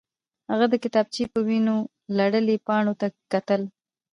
هغه د کتابچې په وینو لړلو پاڼو ته کتل